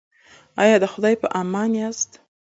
ایا د خدای په امان یاست؟